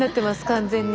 完全に。